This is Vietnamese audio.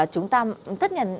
chúng ta thất nhận